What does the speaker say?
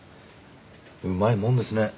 うまいもんですね。